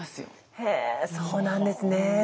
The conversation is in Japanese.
へえそうなんですね。